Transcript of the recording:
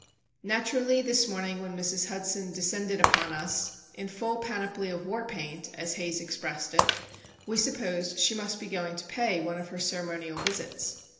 Naturally this morning when Mrs. Hudson descended upon us "in full panoply of war paint," as Haze expressed it, we supposed she must be going to pay one of her ceremonial visits.